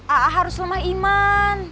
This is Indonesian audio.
a'a harus lemah iman